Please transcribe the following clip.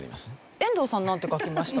遠藤さんなんて書きました？